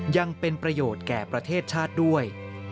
ยังเป็นประโยชน์แก่ประเทศชาติด้วย